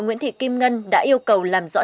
nguyễn thị kim ngân đã yêu cầu làm rõ